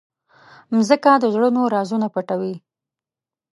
مځکه د زړونو رازونه پټوي.